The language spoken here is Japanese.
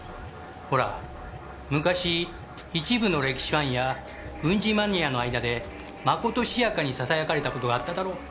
ほら昔一部の歴史ファンや軍事マニアの間でまことしやかにささやかれたことがあっただろ？